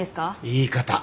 言い方。